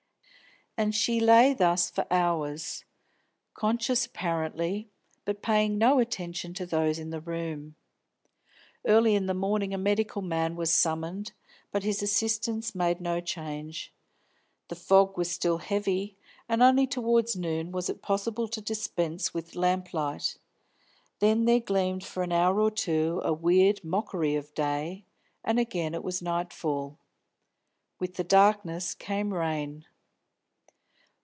And she lay thus for hours, conscious apparently, but paying no attention to those in the room. Early in the morning a medical man was summoned, but his assistance made no change. The fog was still heavy, and only towards noon was it possible to dispense with lamp light; then there gleamed for an hour or two a weird mockery of day, and again it was nightfall. With the darkness came rain.